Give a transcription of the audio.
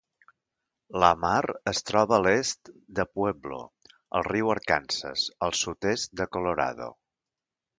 Lamar es troba a l'est de Pueblo, al riu Arkansas, al sud-est de Colorado.